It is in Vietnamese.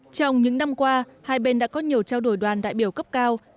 trong những năm qua hai bên đã có nhiều trao đổi đoàn đại biểu cấp cao